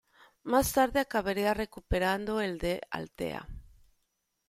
Más tarde acabaría recuperando el de Altea.